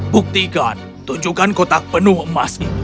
buktikan tunjukkan kotak penuh emas